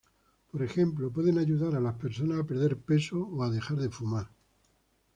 Por ejemplo, pueden ayudar a las personas a perder peso o dejar de fumar.